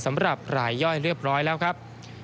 สำหรับรายย่อยเรียบร้อยแล้วครับ